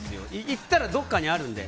行ったら、どこかにあるので。